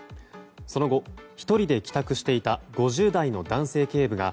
その後、１人で帰宅していた５０代の男性警部が